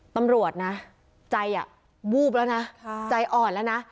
ตำรวจนะใจวูบแล้วนะใจอ่อนแล้วนะ